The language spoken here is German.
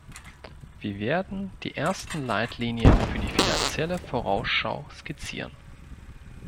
Wir werden die ersten Leitlinien für die finanzielle Vorausschau skizzieren.